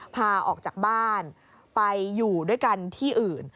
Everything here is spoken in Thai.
พาออกจากบ้านไปอยู่ด้วยกันที่อื่น